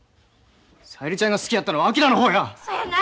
小百合ちゃんが好きやったのは昭の方や。